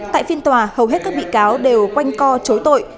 tại phiên tòa hầu hết các bị cáo đều quanh co chối tội